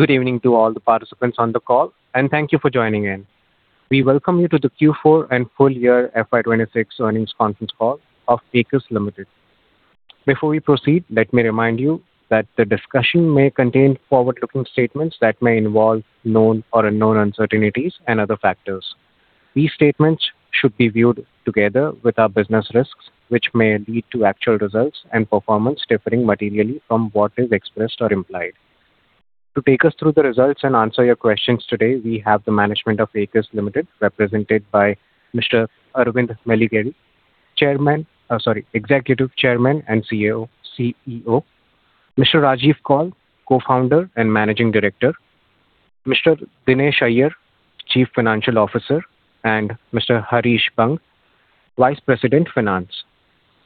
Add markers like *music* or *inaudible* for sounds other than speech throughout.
Good evening to all the participants on the call. Thank you for joining in. We welcome you to the Q4 and full year FY 2026 earnings conference call of Aequs Limited. Before we proceed, let me remind you that the discussion may contain forward-looking statements that may involve known or unknown uncertainties and other factors. These statements should be viewed together with our business risks, which may lead to actual results and performance differing materially from what is expressed or implied. To take us through the results and answer your questions today, we have the management of Aequs Limited represented by Mr Aravind Melligeri, Executive Chairman and Chief Executive Officer, Mr Rajeev Kaul, Co-founder and Managing Director, Mr Dinesh Iyer, Chief Financial Officer, and Mr Harish Bang, Vice President, Finance.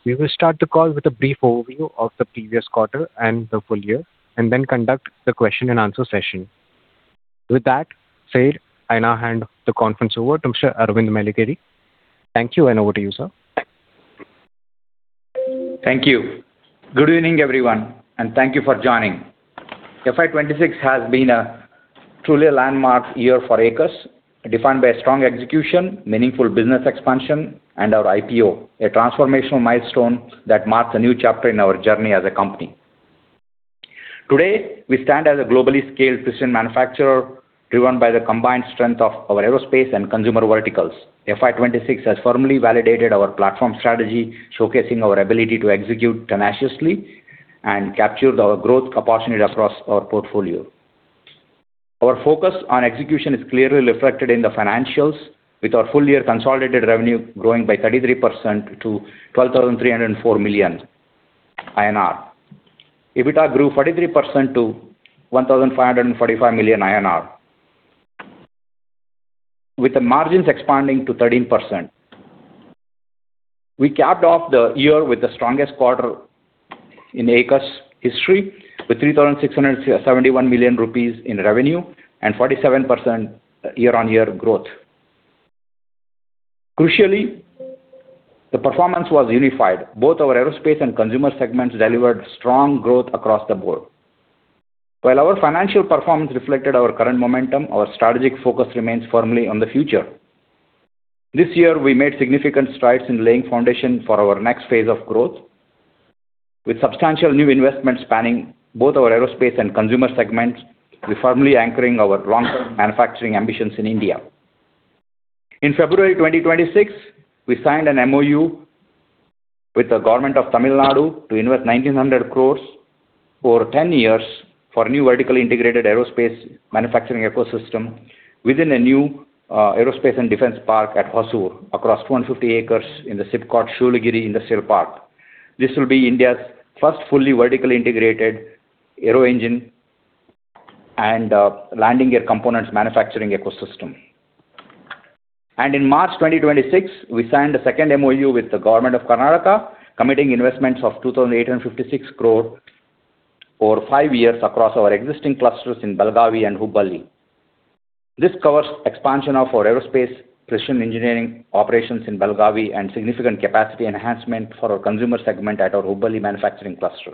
We will start the call with a brief overview of the previous quarter and the full year and then conduct the question and answer session. With that said, I now hand the conference over to Mr. Aravind Melligeri. Thank you, and over to you, sir. Thank you. Good evening, everyone, and thank you for joining. FY 2026 has been truly a landmark year for Aequs, defined by strong execution, meaningful business expansion and our IPO, a transformational milestone that marks a new chapter in our journey as a company. Today, we stand as a globally scaled precision manufacturer driven by the combined strength of our Aerospace and Consumer verticals. FY 2026 has firmly validated our platform strategy, showcasing our ability to execute tenaciously and captures our growth capacity across our portfolio. Our focus on execution is clearly reflected in the financials, with our full-year consolidated revenue growing by 33% to 12,304 million INR. EBITDA grew 43% to 1,545 million INR, with the margins expanding to 13%. We capped off the year with the strongest quarter in Aequs history, with 3,671 million rupees in revenue and 47% year-on-year growth. Crucially, the performance was unified. Both our aerospace and consumer segments delivered strong growth across the board. While our financial performance reflected our current momentum, our strategic focus remains firmly on the future. This year, we made significant strides in laying foundation for our next phase of growth. With substantial new investments spanning both our aerospace and consumer segments, we're firmly anchoring our long-term manufacturing ambitions in India. In February 2026, we signed an MoU with the Government of Tamil Nadu to invest 1,900 crore over 10 years for a new vertically integrated aerospace manufacturing ecosystem within a new aerospace and defense park at Hosur across 150 acres in the SIPCOT Shoolagiri Industrial Park. This will be India's first fully vertically integrated aero-engine and landing air components manufacturing ecosystem. In March 2026, we signed a second MoU with the government of Karnataka, committing investments of 2,856 crore over five years across our existing clusters in Belagavi and Hubballi. This covers expansion of our aerospace precision engineering operations in Belagavi and significant capacity enhancement for our consumer segment at our Hubballi manufacturing cluster.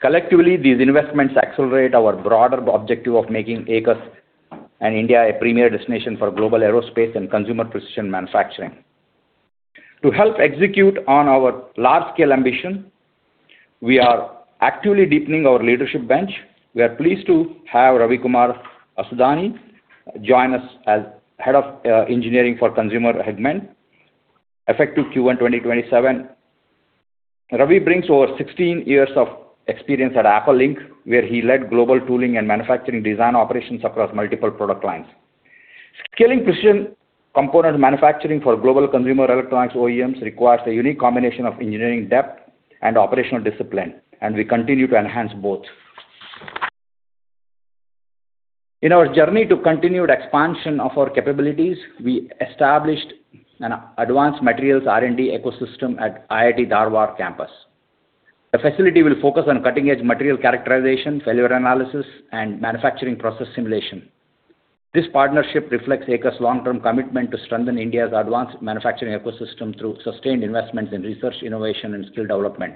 Collectively, these investments accelerate our broader objective of making Aequs and India a premier destination for global aerospace and consumer precision manufacturing. To help execute on our large-scale ambition, we are actively deepening our leadership bench. We are pleased to have Ravikumar Assudani join us as Head of Engineering for Consumer Business, effective Q1 2027. Ravi brings over 16 years of experience at Apple Inc., where he led global tooling and manufacturing design operations across multiple product lines. Scaling precision component manufacturing for global consumer electronics OEMs requires a unique combination of engineering depth and operational discipline, and we continue to enhance both. In our journey to continued expansion of our capabilities, we established an advanced materials R&D ecosystem at IIT Dharwad campus. The facility will focus on cutting-edge material characterization, failure analysis, and manufacturing process simulation. This partnership reflects Aequs' long-term commitment to strengthen India's advanced manufacturing ecosystem through sustained investments in research, innovation, and skill development.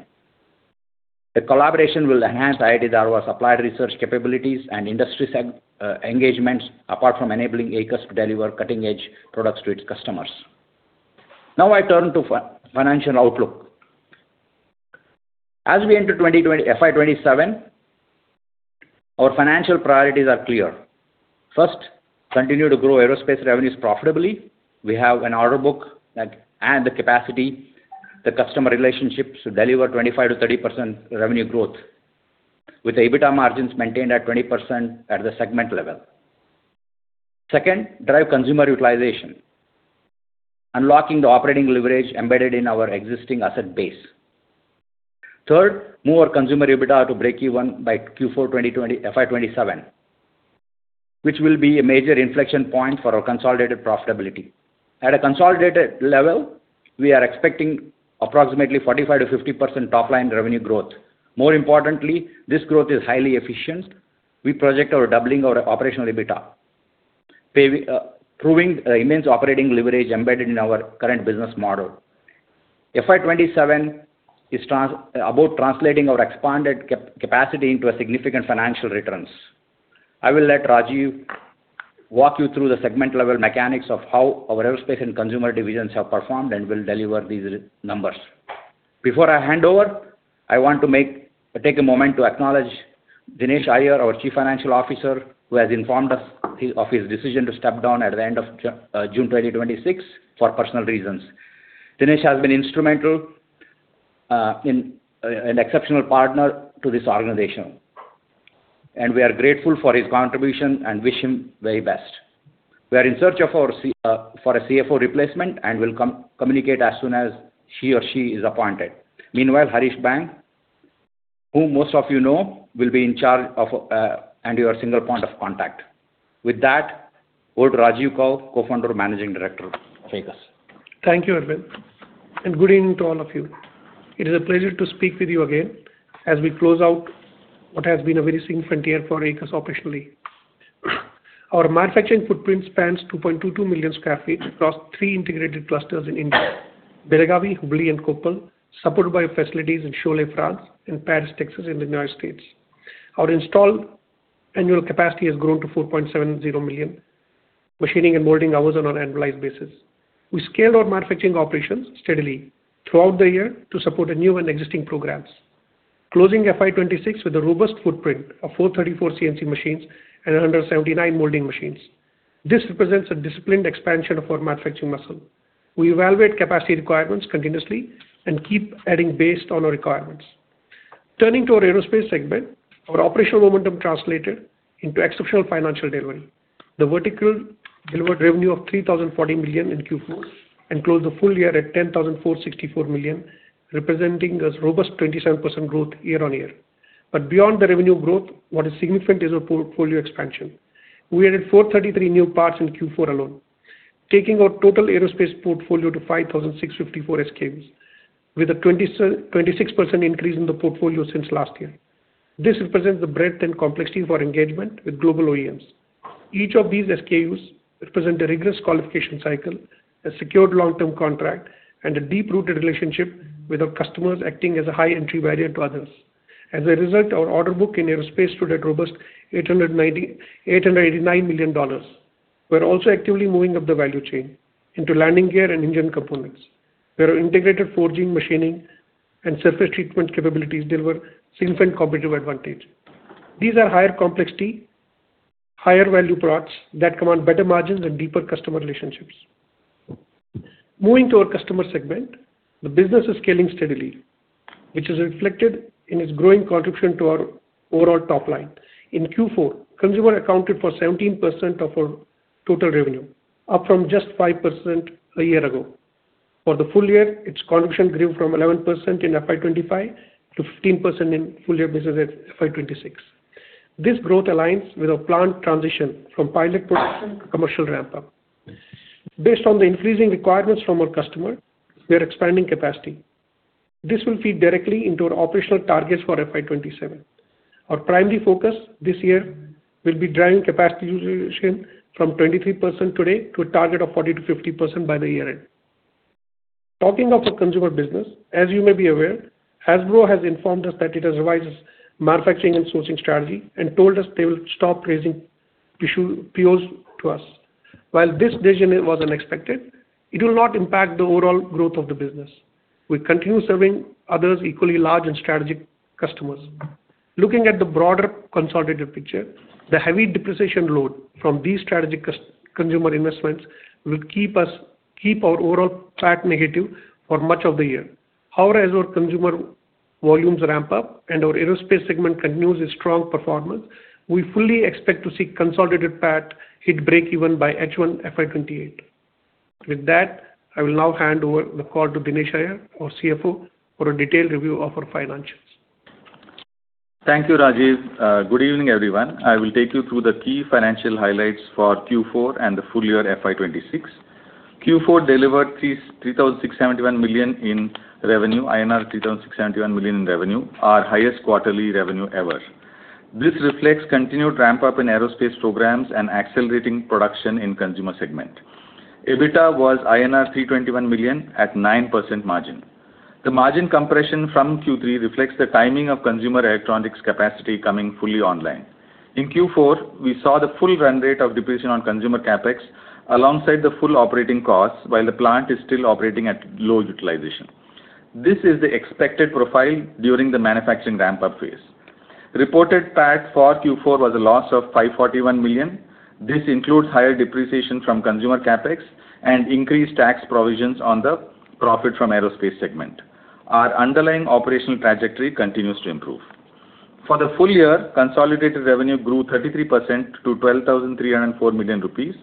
The collaboration will enhance IIT Dharwad's applied research capabilities and industry engagements, apart from enabling Aequs to deliver cutting-edge products to its customers. Now I turn to financial outlook. As we enter FY 2027, our financial priorities are clear. First, continue to grow aerospace revenues profitably. We have an order book and the capacity, the customer relationships to deliver 25%-30% revenue growth with the EBITDA margins maintained at 20% at the segment level. Second, drive consumer utilization, unlocking the operating leverage embedded in our existing asset base. Third, move our consumer EBITDA to breakeven by Q4 FY 2027, which will be a major inflection point for our consolidated profitability. At a consolidated level, we are expecting approximately 45%-50% top-line revenue growth. More importantly, this growth is highly efficient. We project doubling our operational EBITDA. Proving the immense operating leverage embedded in our current business model. FY 2027 is about translating our expanded capacity into significant financial returns. I will let Rajeev walk you through the segment-level mechanics of how our aerospace and consumer divisions have performed and will deliver these numbers. Before I hand over, I want to take a moment to acknowledge Dinesh Iyer, our Chief Financial Officer, who has informed us of his decision to step down at the end of June 2026 for personal reasons. Dinesh has been instrumental, an exceptional partner to this organization, and we are grateful for his contribution and wish him the very best. We are in search for a CFO replacement and will communicate as soon as he or she is appointed. Meanwhile, Harish Bang, who most of you know, will be in charge and your single point of contact. With that, over to Rajeev Kaul, Co-founder and Managing Director. Take it away, sir. Thank you, Aravind. Good evening to all of you? It is a pleasure to speak with you again as we close out what has been a very significant year for Aequs operationally. Our manufacturing footprint spans 2.22 million sq ft across three integrated clusters in India: Belagavi, Hubli, and Koppal, supported by facilities in Cholet, France, and Paris, Texas in the U.S. Our installed annual capacity has grown to 4.70 million machining and molding hours on an annualized basis. We scale our manufacturing operations steadily throughout the year to support new and existing programs. Closing FY 2026 with a robust footprint of 434 CNC machines and 179 molding machines. This represents a disciplined expansion of our manufacturing muscle. We evaluate capacity requirements continuously and keep adding based on our requirements. Turning to our aerospace segment, our operational momentum translated into exceptional financial delivery. The vertical delivered revenue of 3,040 million in Q4 and closed the full year at 10,464 million, representing a robust 27% growth year-on-year. Beyond the revenue growth, what is significant is our portfolio expansion. We added 333 new parts in Q4 alone, taking our total aerospace portfolio to 5,654 SKUs with a 26% increase in the portfolio since last year. This represents the breadth and complexity of our engagement with global OEMs. Each of these SKUs represent a rigorous qualification cycle, a secured long-term contract, and a deep-rooted relationship with our customers acting as a high entry barrier to others. As a result, our order book in aerospace stood at robust $899 million. We're also actively moving up the value chain into landing gear and engine components, where our integrated forging, machining, and surface treatment capabilities deliver significant competitive advantage. These are higher complexity, higher value products that command better margins and deeper customer relationships. Moving to our Consumer Segment, the business is scaling steadily, which is reflected in its growing contribution to our overall top line. In Q4, Consumer Segment accounted for 17% of our total revenue, up from just 5% a year ago. For the full year, its contribution grew from 11% in FY 2025 to 15% in full year business at FY 2026. This growth aligns with our planned transition from pilot production to commercial ramp-up. Based on the increasing requirements from our customer, we are expanding capacity. This will feed directly into our operational targets for FY 2027. Our primary focus this year will be driving capacity utilization from 23% today to a target of 40%-50% by the year end. Talking of our consumer business, as you may be aware, Hasbro has informed us that it has revised its manufacturing and sourcing strategy and told us they will stop raising POs to us. While this decision was unexpected, it will not impact the overall growth of the business. We continue serving others equally large and strategic customers. Looking at the broader consolidated picture, the heavy depreciation load from these strategic consumer investments will keep our overall track negative for much of the year. However, as our consumer volumes ramp up and our aerospace segment continues its strong performance, we fully expect to see consolidated PAT hit breakeven by H1 FY 2028. With that, I will now hand over the call to Dinesh Iyer, our Chief Financial Officer, for a detailed review of our financials. Thank you, Rajeev. Good evening everyone? I will take you through the key financial highlights for Q4 and the full year FY 2026. Q4 delivered INR 3,671 million in revenue, our highest quarterly revenue ever. This reflects continued ramp-up in aerospace programs and accelerating production in consumer segment. EBITDA was INR 321 million at 9% margin. The margin compression from Q3 reflects the timing of consumer electronics capacity coming fully online. In Q4, we saw the full run rate of depreciation on consumer CapEx alongside the full operating costs while the plant is still operating at low utilization. This is the expected profile during the manufacturing ramp-up phase. Reported PAT for Q4 was a loss of 541 million. This includes higher depreciation from consumer CapEx and increased tax provisions on the profit from aerospace segment. Our underlying operational trajectory continues to improve. For the full year, consolidated revenue grew 33% to 12,304 million rupees.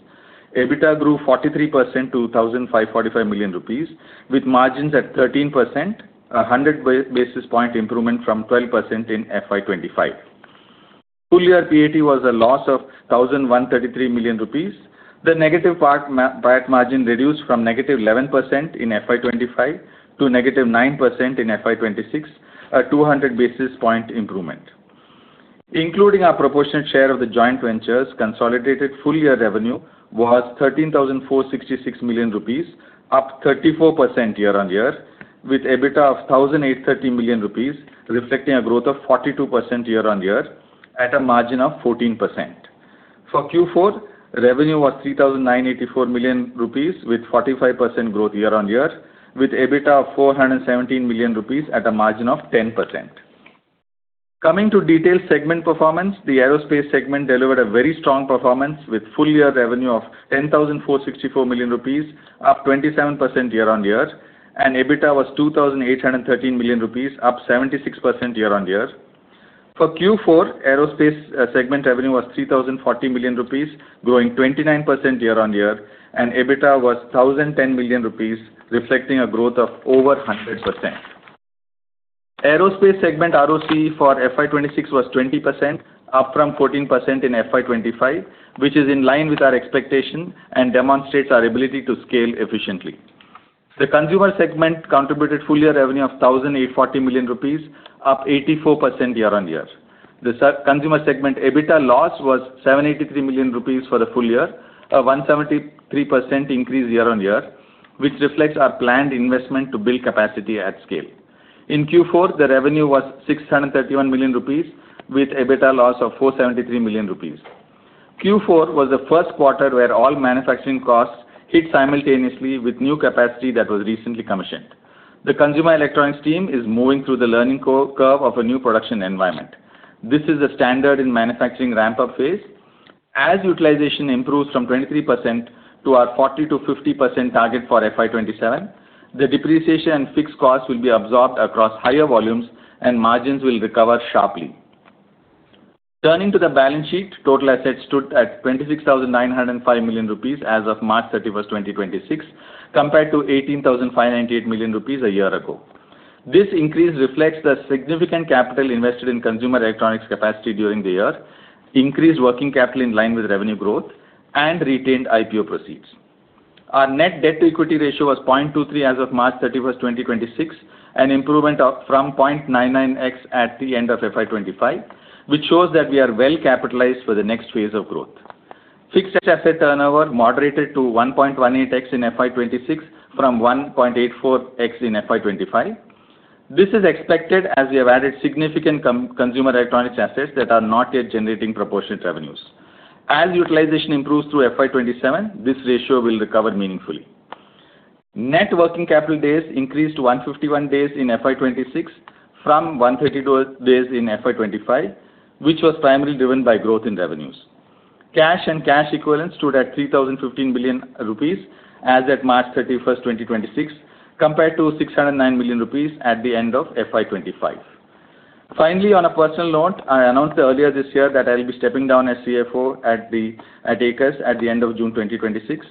EBITDA grew 43% to 1,545 million rupees with margins at 13%, a 100-basis point improvement from 12% in FY 2025. Full year PAT was a loss of 1,133 million rupees. The negative PAT margin reduced from -11% in FY 2025 to -9% in FY 2026, a 200-basis point improvement. Including our proportionate share of the joint ventures, consolidated full-year revenue was INR 13,466 million, up 34% year-on-year, with EBITDA of INR 1,830 million, reflecting a growth of 42% year-on-year at a margin of 14%. For Q4, revenue was 3,984 million rupees, with 45% growth year-on-year, with EBITDA of 417 million rupees at a margin of 10%. Coming to detailed segment performance, the Aerospace Segment delivered a very strong performance with full-year revenue of 10,464 million rupees, up 27% year-on-year, and EBITDA was 2,813 million rupees, up 76% year-on-year. For Q4, Aerospace Segment revenue was 3,040 million rupees, growing 29% year-on-year, and EBITDA was 1,010 million rupees, reflecting a growth of over 100%. Aerospace Segment ROC for FY 2026 was 20%, up from 14% in FY 2025, which is in line with our expectation and demonstrates our ability to scale efficiently. The Consumer Segment contributed full-year revenue of 1,840 million rupees, up 84% year-on-year. The Consumer Segment EBITDA loss was 783 million rupees for the full year, a 173% increase year-on-year, which reflects our planned investment to build capacity at scale. In Q4, the revenue was 631 million rupees, with EBITDA loss of 473 million rupees. Q4 was the first quarter where all manufacturing costs hit simultaneously with new capacity that was recently commissioned. The consumer electronics team is moving through the learning curve of a new production environment. This is a standard in manufacturing ramp-up phase. As utilization improves from 23% to our 40%-50% target for FY 2027, the depreciation and fixed costs will be absorbed across higher volumes and margins will recover sharply. Turning to the balance sheet, total assets stood at 26,905 million rupees as of March 31, 2026, compared to 18,598 million rupees a year ago. This increase reflects the significant capital invested in consumer electronics capacity during the year, increased working capital in line with revenue growth, and retained IPO proceeds. Our net debt-to-equity ratio was 0.23 as of March 31, 2026, an improvement from 0.99x at the end of FY 2025, which shows that we are well capitalized for the next phase of growth. Fixed asset turnover moderated to 1.18x in FY 2026 from 1.84x in FY 2025. This is expected as we have added significant consumer electronics assets that are not yet generating proportionate revenues. As utilization improves through FY 2027, this ratio will recover meaningfully. Net working capital days increased to 151 days in FY 2026 from 132 days in FY 2025, which was primarily driven by growth in revenues. Cash and cash equivalents stood at 3,015 million rupees as at March 31, 2026, compared to 609 million rupees at the end of FY 2025. Finally, on a personal note, I announced earlier this year that I'll be stepping down as Chief Financial Officer at Aequs at the end of June 2026.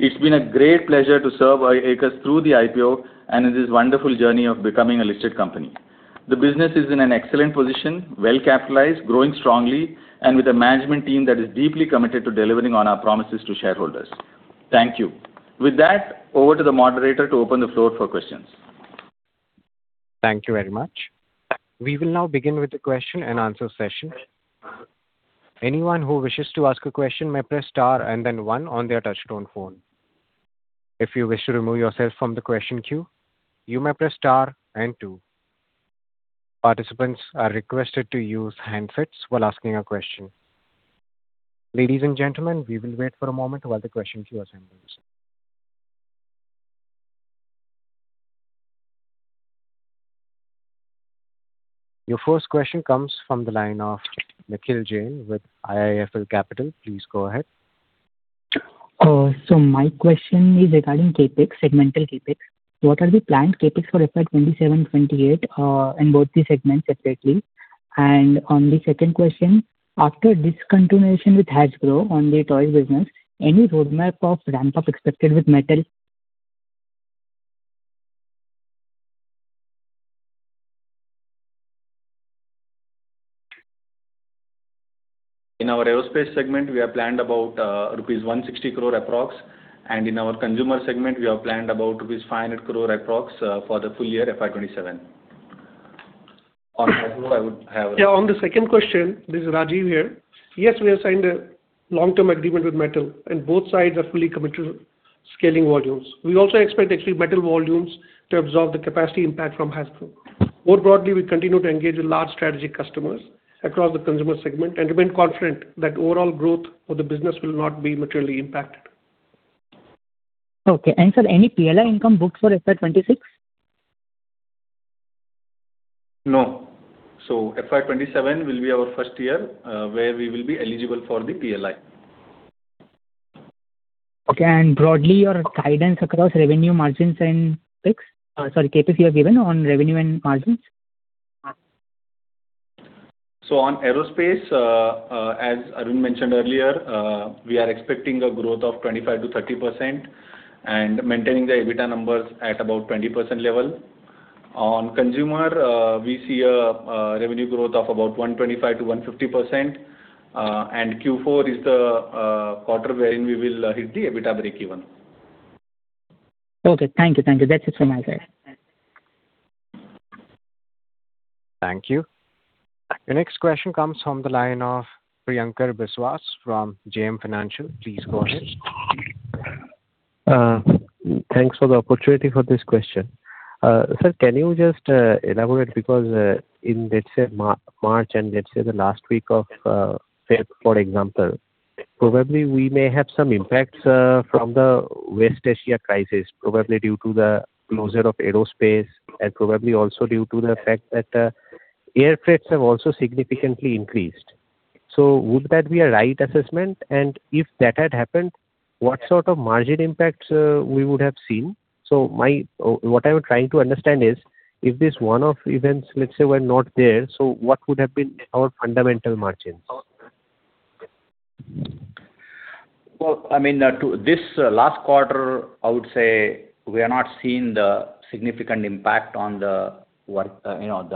It's been a great pleasure to serve Aequs through the IPO and in this wonderful journey of becoming a listed company. The business is in an excellent position, well capitalized, growing strongly, and with a management team that is deeply committed to delivering on our promises to shareholders. Thank you. With that, over to the moderator to open the floor for questions. Thank you very much. We will now begin with the question-and-answer session. Anyone who wishes to ask a question may press star and then one on their touch-tone phone. If you wish to remove yourself from the question queue, you may press star and two. Participants are requested to use handsets while asking a question. Ladies and gentlemen, we will wait for a moment while the question queue assembles. Your first question comes from the line of Nikhil Jain with IIFL Capital, please go ahead. My question is regarding CapEx, segmental CapEx. What are the planned CapEx for FY 2027, FY 2028, and both the segments separately? On the second question, after discontinuation with Hasbro on the toy business, any roadmap of ramp-up expected with Mattel? In our aerospace segment, we have planned about rupees 160 crore approx, and in our consumer segment, we have planned about rupees 500 crore approx, for the full year FY 2027. On the second question, this is Rajeev here. Yes, we have signed a long-term agreement with Mattel, and both sides are fully committed to scaling volumes. We also expect actually better volumes to absorb the capacity impact from Hasbro. More broadly, we continue to engage with large strategic customers across the Consumer Segment and remain confident that overall growth for the business will not be materially impacted. Okay. Sir, any PLI income booked for FY 2026? FY 2027 will be our first year where we will be eligible for the PLI. Okay, broadly your guidance across revenue margins and CapEx you have given on revenue and margins? On aerospace, as Kaul mentioned earlier, we are expecting a growth of 25%-30% and maintaining the EBITDA numbers at about 20% level. On consumer, we see a revenue growth of about 125%-150%, and Q4 is the quarter wherein we will hit the EBITDA breakeven. Okay. Thank you. That's it from my side. Thank you. The next question comes from the line of Priyankar Biswas from JM Financial, please go ahead. Thanks for the opportunity for this question. Sir, can you just elaborate because in, let's say, March and let's say the last week of February, for example, probably we may have some impacts from the West Asia crisis, probably due to the closure of aerospace and probably also due to the fact that air freights have also significantly increased. Would that be a right assessment? If that had happened, what sort of margin impacts we would have seen? What I'm trying to understand is, if these one-off events, let's say, were not there, what would have been our fundamental margin? This last quarter, I would say we have not seen the significant impact on the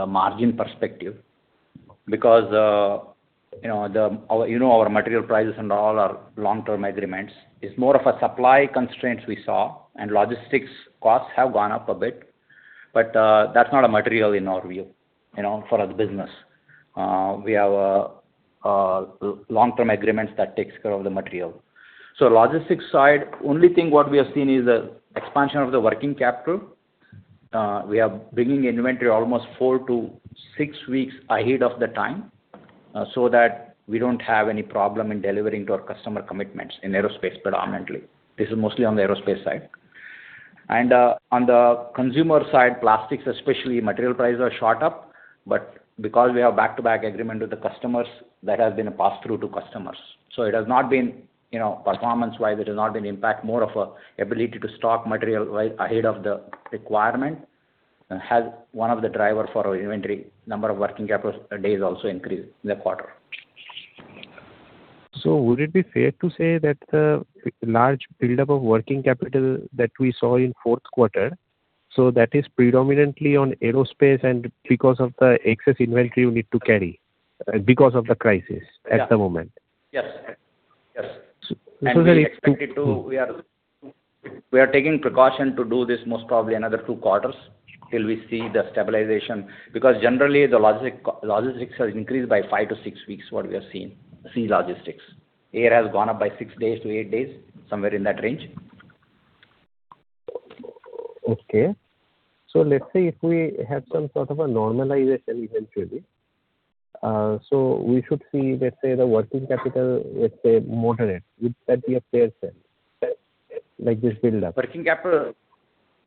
margin perspective because our material prices and all are long-term agreements. It's more of a supply constraints we saw and logistics costs have gone up a bit, but that's not a material in our view for the business. We have long-term agreements that takes care of the material. Logistics side, only thing what we are seeing is expansion of the working capital. We are bringing inventory almost four to six weeks ahead of the time so that we don't have any problem in delivering to our customer commitments in aerospace predominantly. This is mostly on the aerospace side. On the consumer side, plastics especially, material prices shot up, but because we have back-to-back agreement with the customers, that has been passed through to customers. Performance-wise, it has not been impact, more of ability to stock material well ahead of the requirement has one of the driver for our inventory number of working capital days also increased in the quarter. Would it be fair to say that the large buildup of working capital that we saw in fourth quarter, that is predominantly on aerospace and because of the excess inventory you need to carry because of the crisis at the moment? Yes. So- We are taking precaution to do this most probably another two quarters till we see the stabilization. Generally, the logistics has increased by five to six weeks, what we are seeing. Sea logistics. Air has gone up by six days to eight days, somewhere in that range. Okay. Let's say if we have some sort of a normalization eventually, so we should see, let's say, the working capital, let's say, moderate. Would that be a fair sense, like this buildup? Working capital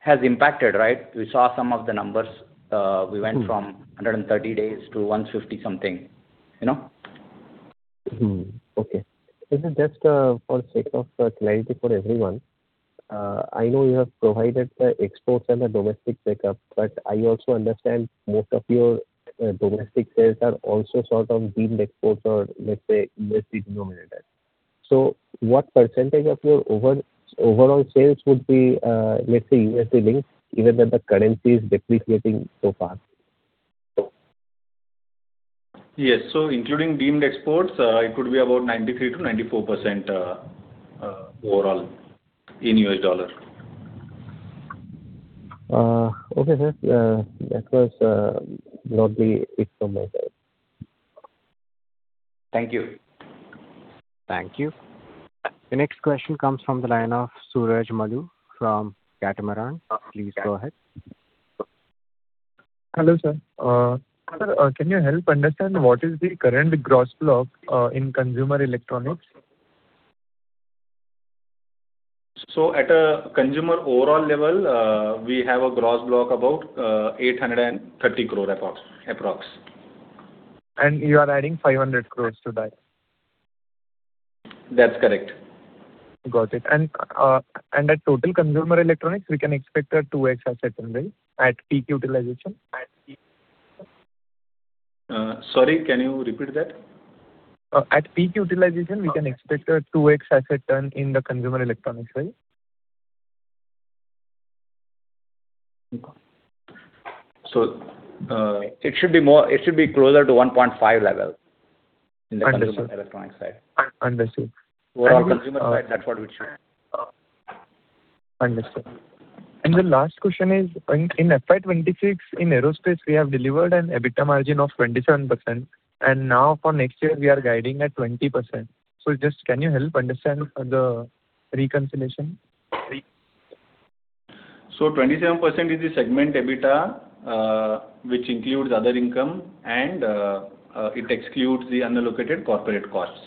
has impacted, right? We saw some of the numbers. We went from 130 days to 150-something days. Okay. Just for sake of clarity for everyone, I know you have provided the exports and the domestic breakup, but I also understand most of your domestic sales are also sort of deemed exports or let's say USD denominated. What percentage of your overall sales would be let's say USD linked even if the currency is depreciating so far? Yes. Including deemed exports, it could be about 93%-94% overall in U.S. dollar. Okay. That was broadly it from my side. Thank you. Thank you. The next question comes from the line of Suraj Madhu from Catamaran, please go ahead. Hello, sir. Sir, can you help understand what is the current gross block in consumer electronics? At a consumer overall level, we have a gross block about 830 crore approx. You are adding 500 crore to that? That's correct. Got it. At total consumer electronics, we can expect a 2x asset turn, right, at peak utilization? Sorry, can you repeat that? At peak utilization, we can expect a 2x asset turn in the consumer electronics side? It should be closer to 1.5 lakh in the consumer electronics side. Understood. Overall, that's what we're trying. Understood. The last question is, in FY 2026, in aerospace, we have delivered an EBITDA margin of 27%, now for next year, we are guiding at 20%. Just can you help understand the reconciliation? 27% is the segment EBITDA, which includes other income, and it excludes the unallocated corporate costs.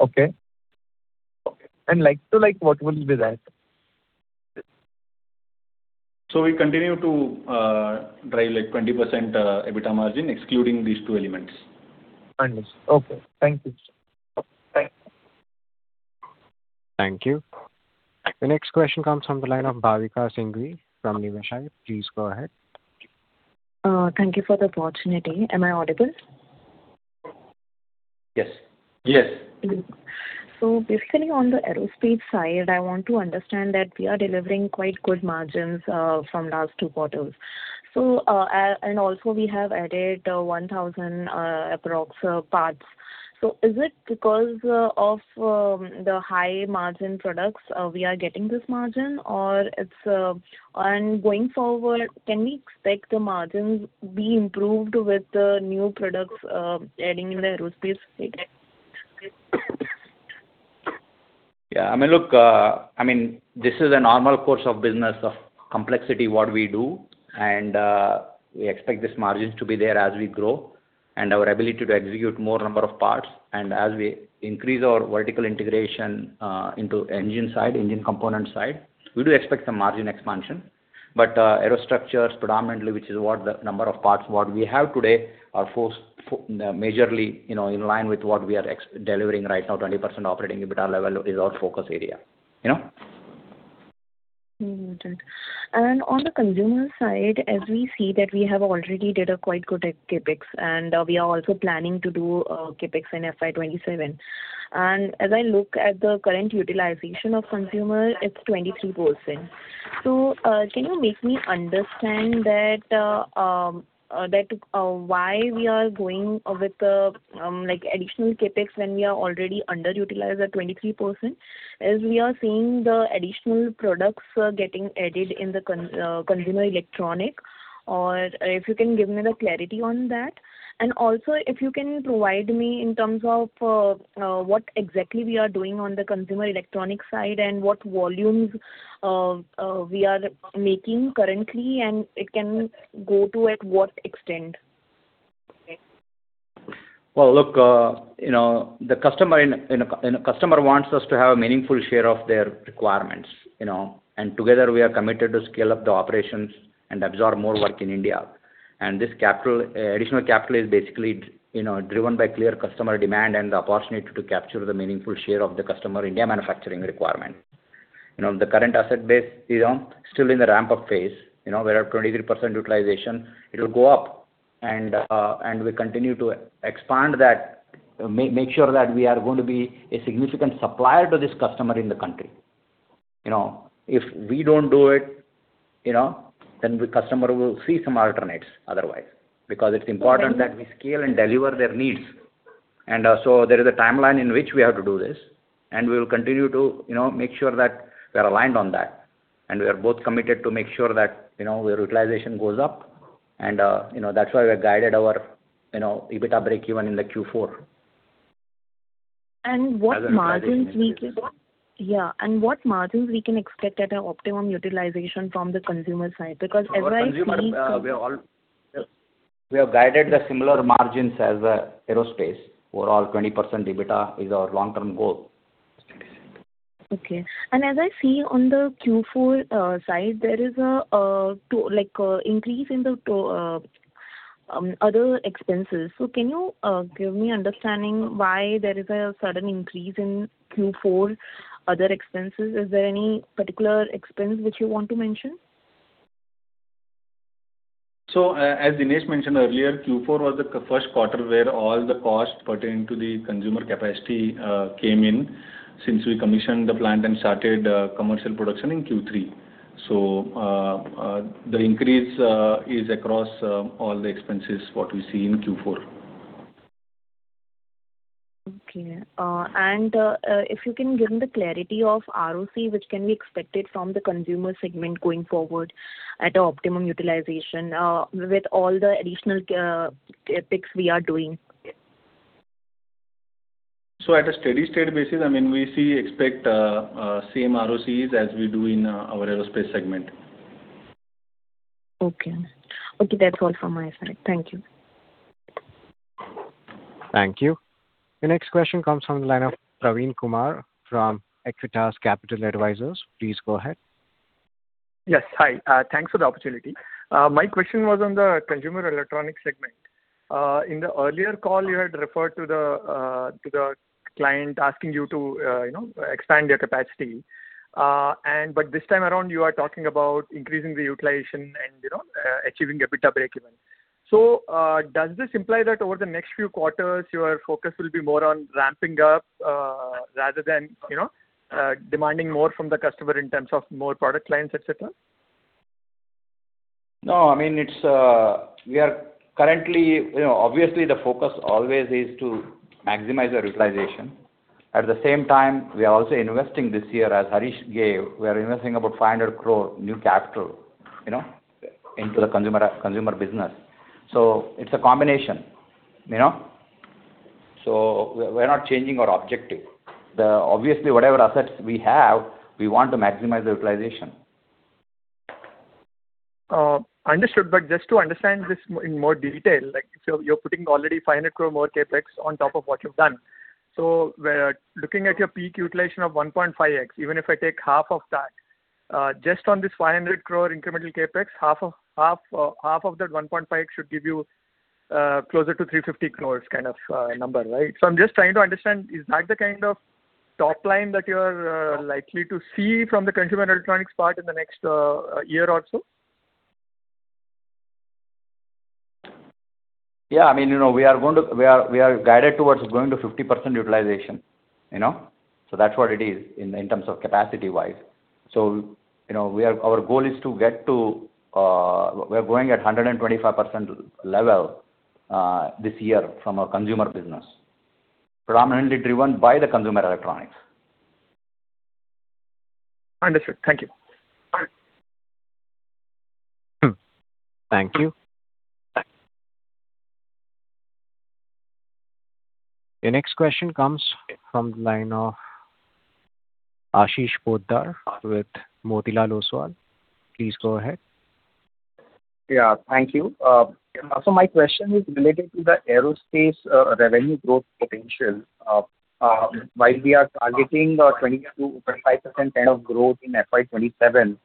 Okay? Like to like, what would be that? We continue to drive 20% EBITDA margin, excluding these two elements. Understood. Okay. Thank you, sir. Thank you. The next question comes from the line of Bhavika Singhvi from Niveshaay, please go ahead. Thank you for the opportunity. Am I audible? Yes. Basically on the aerospace side, I want to understand that we are delivering quite good margins from last two quarters. Also we have added 1,000 approx. parts Is it because of the high-margin products we are getting this margin? Going forward, can we expect the margins be improved with the new products adding in the aerospace segment? Yeah. This is a normal course of business of complexity, what we do. We expect these margins to be there as we grow and our ability to execute more number of parts. As we increase our vertical integration into engine side, engine component side, we do expect some margin expansion. Aerostructures predominantly, which is what the number of parts, what we have today, are majorly in line with what we are delivering right now, 20% operating EBITDA level is our focus area. Understood. On the consumer side, as we see that we have already did a quite good CapEx, and we are also planning to do CapEx in FY 2027. As I look at the current utilization of consumer, it is 23%. Can you make me understand that why we are going with additional CapEx when we are already underutilized at 23% as we are seeing the additional products getting added in the consumer electronic? If you can give me the clarity on that, and also if you can provide me in terms of what exactly we are doing on the consumer electronic side and what volumes we are making currently and it can go to at what extent. Look, the customer wants us to have a meaningful share of their requirements. Together we are committed to scale up the operations and absorb more work in India. This additional capital is basically driven by clear customer demand and our passion to capture the meaningful share of the customer India manufacturing requirement. The current asset base is still in the ramp-up phase. We are at 23% utilization. It'll go up, and we continue to expand that, make sure that we are going to be a significant supplier to this customer in the country. If we don't do it, then the customer will see some alternates otherwise, because it's important that we scale and deliver their needs. There is a timeline in which we have to do this, and we'll continue to make sure that we are aligned on that. We are both committed to make sure that our utilization goes up. That's why we have guided our EBITDA breakeven in the Q4. Yeah. What margins we can expect at an optimum utilization from the consumer side? We have guided the similar margins as the aerospace. Overall, 20% EBITDA is our long-term goal. Okay. As I see on the Q4 side, there is an increase in the other expenses. Can you give me understanding why there is a sudden increase in Q4 other expenses? Is there any particular expense which you want to mention? As Dinesh mentioned earlier, Q4 was the first quarter where all the cost pertaining to the consumer capacity came in since we commissioned the plant and started commercial production in Q3. The increase is across all the expenses, what we see in Q4. Okay. If you can give me the clarity of ROC which can be expected from the Consumer Segment going forward at optimum utilization with all the additional CapEx we are doing. At a steady state basis, we expect same ROCEs as we do in our aerospace segment. Okay. That's all from my side. Thank you. Thank you. The next question comes from the line of Praveen Kumar from Aequitas Capital Advisors, please go ahead. Yes. Hi. Thanks for the opportunity. My question was on the consumer electronic segment. In the earlier call, you had referred to the client asking you to expand your capacity. This time around you are talking about increasing the utilization and achieving the EBITDA breakeven. Does this imply that over the next few quarters, your focus will be more on ramping up rather than demanding more from the customer in terms of more product lines, et cetera? Obviously, the focus always is to maximize our utilization. At the same time, we are also investing this year, as Harish gave, we are investing about 500 crore new capital into the consumer business. It's a combination. We're not changing our objective. Obviously, whatever assets we have, we want to maximize the utilization. Understood. Just to understand this in more detail, you're putting already 500 crore more CapEx on top of what you've done. We're looking at your peak utilization of 1.5x. Even if I take half of that, just on this 500 crore incremental CapEx, half of that 1.5x should give you closer to 350 crore kind of number, right? I'm just trying to understand, is that the kind of top line that you're likely to see from the consumer electronics part in the next year or so? Yeah. We are guided towards going to 50% utilization. That's what it is in terms of capacity-wise. We're going at 125% level this year from our consumer business, predominantly driven by the consumer electronics. Understood. Thank you. Thank you. The next question comes from the line of Ashish Poddar with Motilal Oswal, please go ahead. Yeah, thank you. My question is related to the aerospace revenue growth potential. While we are targeting a 25% CAGR growth in FY 2027,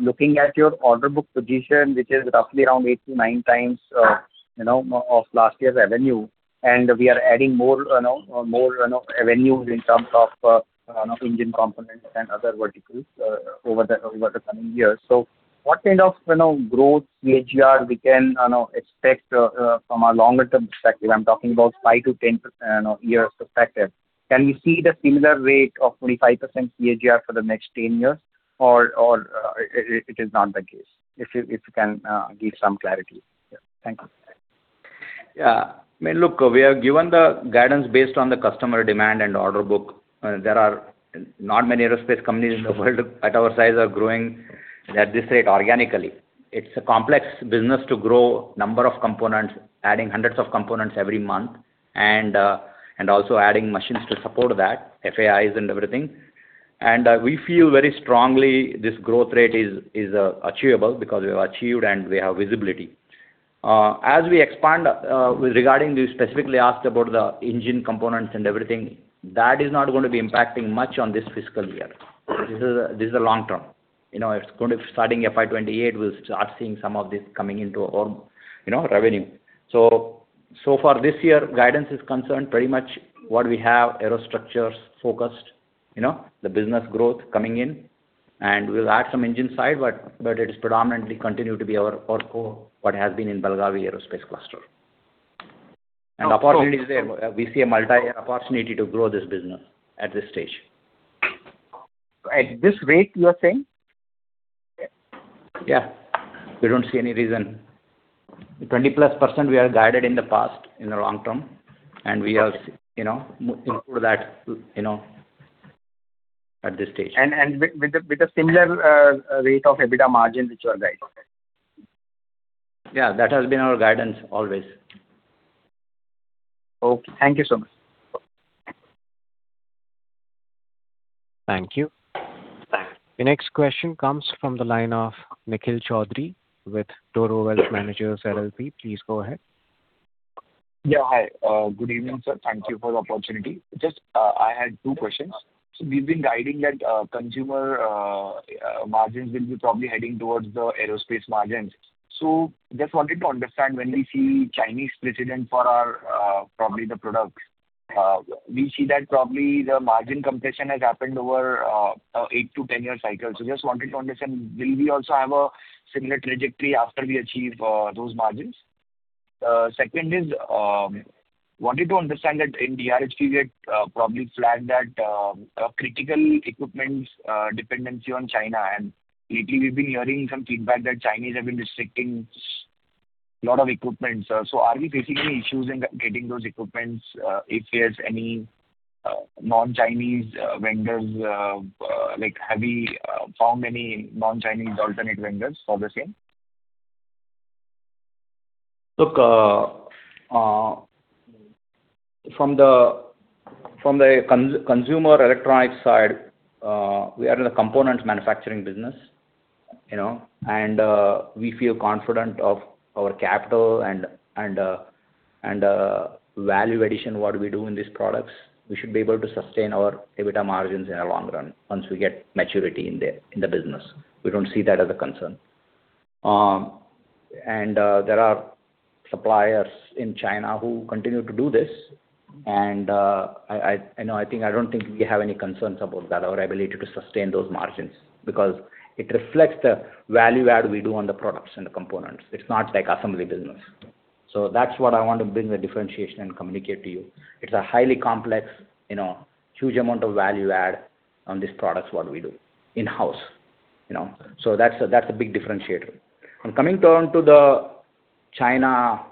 looking at your order book position, which is roughly around 8x to 9x of last year's revenue, and we are adding more revenue in terms of engine components and other verticals over the coming years. What kind of growth CAGR we can expect from a longer-term perspective? I'm talking about 5 to 10 years successive. Can we see the similar rate of 25% CAGR for the next 10 years, or it is not the case? If you can give some clarity. Thank you. Yeah. Look, we have given the guidance based on the customer demand and order book. There are not many aerospace companies in the world at our size are growing at this rate organically. It's a complex business to grow number of components, adding hundreds of components every month, and also adding machines to support that, FAIs and everything. We feel very strongly this growth rate is achievable because we've achieved and we have visibility. As we expand regarding, you specifically asked about the engine components and everything, that is not going to be impacting much on this fiscal year. This is a long-term. Starting FY 2028, we'll start seeing some of this coming into our revenue. Far, this year, guidance is concerned pretty much what we have aerostructures focused, the business growth coming in, and we will add some engine side, but it predominantly continue to be our core, what has been in Belagavi aerospace cluster. Opportunity there? We see a multi opportunity to grow this business at this stage. At this rate, you are saying? Yeah. We don't see any reason. 20+% we have guided in the past, in the long term. We are moving through that at this stage. With a similar rate of EBITDA margin, which you are guiding for that. Yeah, that has been our guidance always. Okay. Thank you so much. Thank you. The next question comes from the line of Nikhil Chowdhary with Toro Wealth Managers LLP, please go ahead. Yeah. Hi. Good evening, sir. Thank you for the opportunity. Just I had two questions. You've been guiding that consumer margins will be probably heading towards the aerospace margins. Just wanted to understand when we see Chinese precedent for our, probably the product, we see that probably the margin compression has happened over an 8 to 10 year cycle. Just wanted to understand, will we also have a similar trajectory after we achieve those margins? Second is, wanted to understand that in DRHP you had probably flagged that critical equipment dependency on China, and lately we've been hearing some feedback that Chinese have been restricting lot of equipment. Are we basically choosing and getting those equipment if there's any non-Chinese vendors? Have we found any non-Chinese alternate vendors for the same? Look, from the consumer electronics side, we are in the component manufacturing business, and we feel confident of our capital and value addition what we do in these products. We should be able to sustain our EBITDA margins in the long run once we get maturity in the business. We don't see that as a concern. There are suppliers in China who continue to do this, and I don't think we have any concerns about that, our ability to sustain those margins, because it reflects the value add we do on the products and components. It's not like assembly business. That's what I want to bring the differentiation and communicate to you. It's a highly complex, huge amount of value add on these products, what we do in-house. That's a big differentiator. Coming down to the China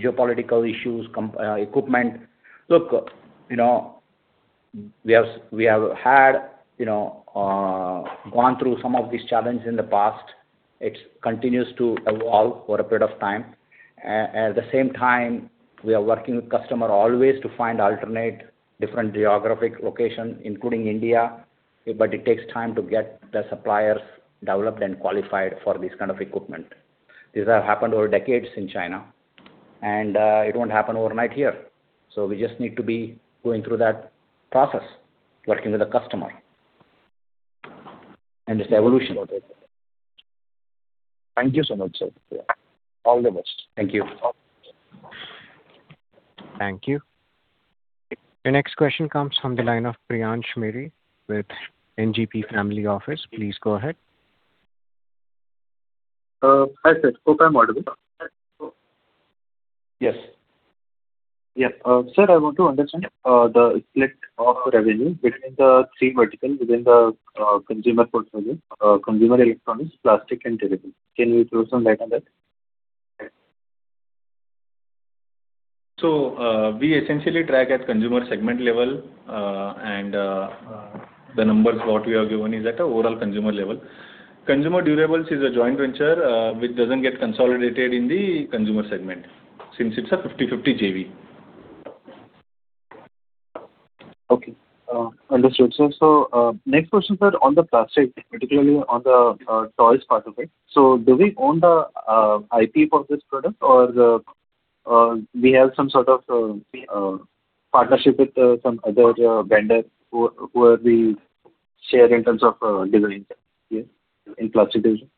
geopolitical issues. We have gone through some of these challenges in the past. It continues to evolve over a bit of time. At the same time, we are working with customer always to find alternate different geographic location, including India. It takes time to get the suppliers developed and qualified for this kind of equipment. These have happened over decades in China, and it won't happen overnight here. We just need to be going through that process, working with the customer, and its evolution. Thank you so much, sir. Yeah. All the best. Thank you. Thank you. The next question comes from the line of Priyansh Miri with NGP Family Office, please go ahead. Yes. Sir, I want to understand the split of revenue between the three verticals within the consumer portfolio, consumer electronics, plastic, and durable. Can you throw some light on that? We essentially track at Consumer Segment level, and the numbers what we have given is at overall consumer level. Consumer durables is a joint venture which doesn't get consolidated in the Consumer Segment since it's a 50/50 JV. Okay. Understood, sir. Next question, sir, on the plastic, particularly on the toys part of it. Do we own the IP of this product or we have some sort of partnership with some other vendor where we share in terms of designing the plastic version?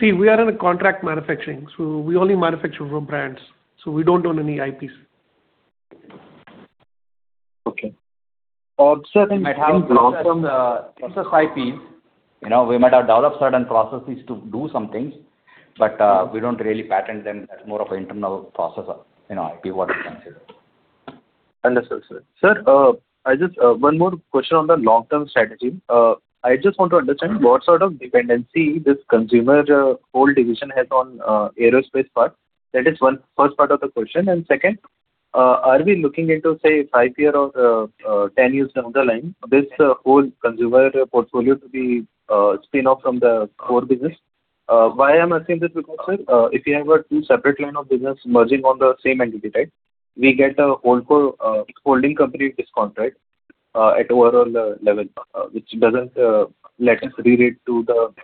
We are in a contract manufacturing, so we only manufacture for brands. We don't own any IPs. Okay. We might have some process IPs. We might have developed certain processes to do some things. We don't really patent them. That's more of internal process IP, what I consider. Understood, sir. Sir, just one more question on the long-term strategy. I just want to understand what sort of dependency this consumer whole division has on aerospace part. That is first part of the question. Second, are we looking into, say, five year or 10 years down the line, this whole consumer portfolio to be spin-off from the core business? Why I'm asking this question, sir, if you have a two separate line of business merging on the same entity type, we get a whole holding company discount at overall level, which doesn't necessarily relate to the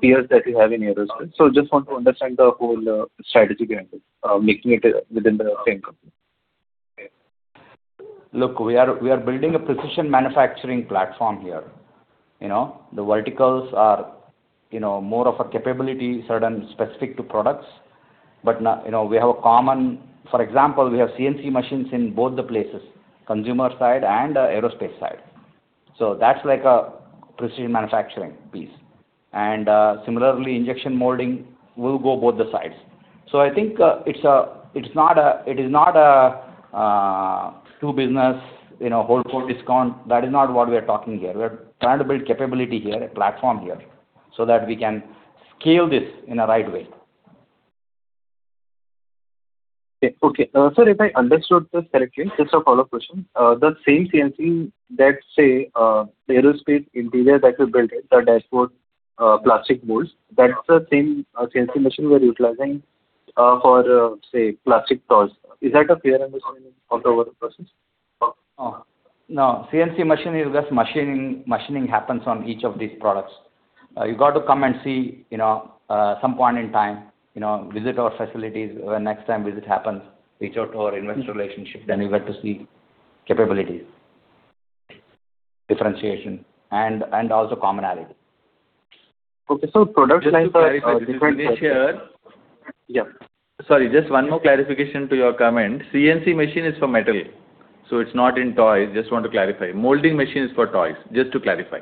peers that we have in aerospace. Just want to understand the whole strategy behind this, making it within the same company. Look, we are building a precision manufacturing platform here. The verticals are more of a capability certain specific to products. For example, we have CNC machines in both the places, consumer side and aerospace side. That's like a precision manufacturing piece. Similarly, injection molding will go both the sides. I think it is not a two business whole core discount. That is not what we're talking here. We're trying to build capability here, a platform here, so that we can scale this in a right way. Okay. Sir, if I understood this correctly, just a follow-up question. The same CNC, let's say, aerospace interior that will build the dashboard plastic molds, that's the same CNC machine we are utilizing for, say, plastic toys. Is that a fair understanding of the overall process? No. CNC machine is just machining happens on each of these products. You got to come and see some point in time, visit our facilities next time visit happens, reach out to our investor relationship, then you get to see capability, differentiation, and also commonality. Okay, sir. Just to clarify this here. Yeah. Sorry, just one more clarification to your comment. CNC machine is for metal. It's not in toys, just want to clarify. Molding machine is for toys, just to clarify.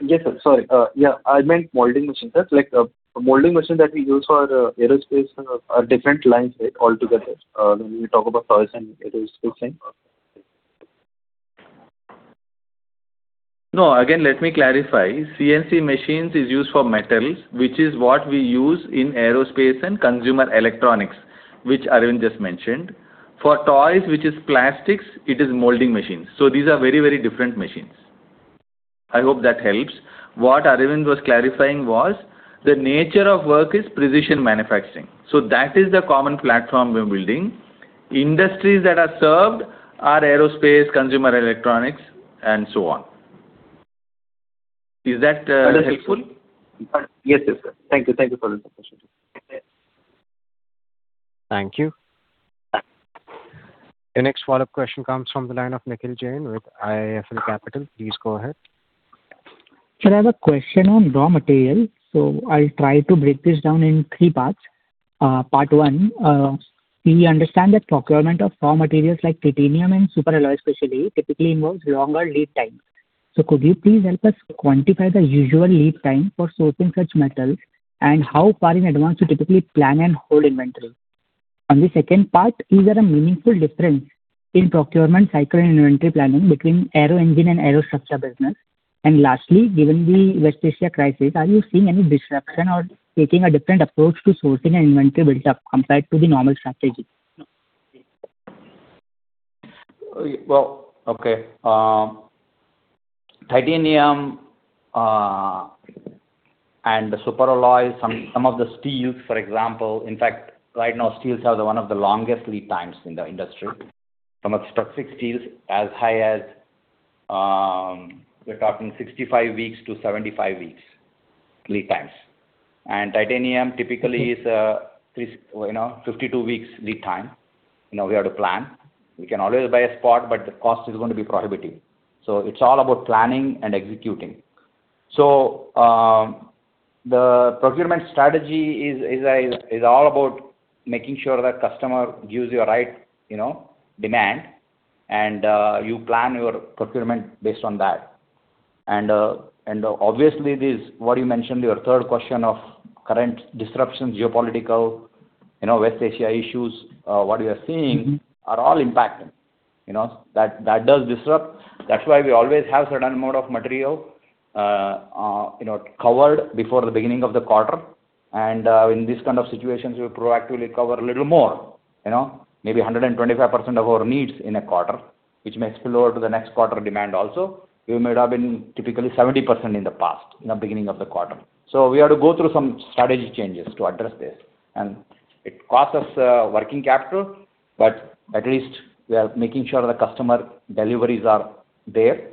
Yes, sir. Sorry. Yeah, I meant molding machine, sir. Molding machine that we use for aerospace are different lines altogether when we talk about toys and aerospace line. Again, let me clarify. CNC machines is used for metals, which is what we use in aerospace and consumer electronics, which Aravind just mentioned. For toys, which is plastics, it is molding machines. These are very different machines. I hope that helps. What Aravind was clarifying was the nature of work is precision manufacturing. That is the common platform we're building. Industries that are served are aerospace, consumer electronics, and so on. Is that helpful? Yes, sir. Thank you. Thank you for the clarification. Thank you. The next follow-up question comes from the line of Nikhil Jain with IIFL Capital. Please go ahead. Sir, I have a question on raw material. I'll try to break this down in three parts. Part one, we understand that procurement of raw materials like titanium and super-alloys especially typically involves longer lead times. Could you please help us quantify the usual lead time for sourcing such metals and how far in advance you typically plan and hold inventory? The second part, is there a meaningful difference in procurement cycle and inventory planning between aero-engine and aero-structure business? Lastly, given the West Asia crisis, are you seeing any disruption or taking a different approach to sourcing and inventory buildup compared to the normal strategy? Okay. Titanium and the super-alloys, some of the steels, for example. In fact, right now, steels have one of the longest lead times in the industry. Some of the structural steels as high as, we're talking 65 weeks to 75 weeks lead times. Titanium typically is 52 weeks lead time. We have to plan. We can always buy a spot, but the cost is going to be prohibitive. It's all about planning and executing. The procurement strategy is all about making sure that customer gives you the right demand and you plan your procurement based on that. Obviously, what you mentioned, your third question of current disruptions, geopolitical, West Asia issues, what we are seeing are all impacted. That does disrupt. That's why we always have a certain amount of material covered before the beginning of the quarter. In this kind of situations, we proactively cover a little more, maybe 125% of our needs in a quarter, which may spill over to the next quarter demand also. We may have been typically 70% in the past, beginning of the quarter. We had to go through some strategy changes to address this, and it costs us working capital, but at least we are making sure the customer deliveries are there